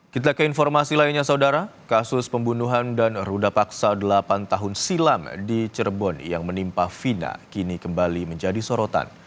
kita ke informasi lainnya saudara kasus pembunuhan dan ruda paksa delapan tahun silam di cirebon yang menimpa fina kini kembali menjadi sorotan